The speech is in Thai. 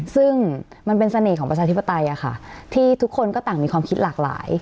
ซึ่งมันเป็นเสน่ห์ของประชาธิปไตยที่ทุกคนก็ต่างมีความคิดหลากหลาย